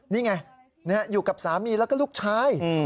นี่ไงอยู่กับสามีแล้วก็ลูกชาย